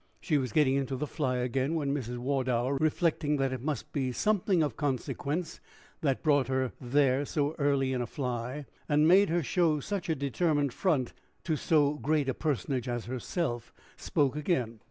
She was getting into the fly again, when Mrs. Wardour, reflecting that it must needs be something of consequence that brought her there so early in a fly, and made her show such a determined front to so great a personage as herself, spoke again.